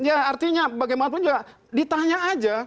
ya artinya bagaimanapun juga ditanya aja